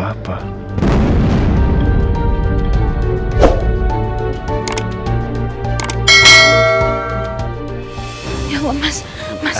ya allah mas mas